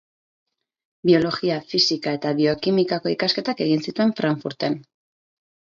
Biologia, fisika eta biokimikako ikasketak egin zituen Frankfurten.